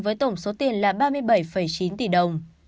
với tổng số tiền là ba mươi bảy chín tỷ đồng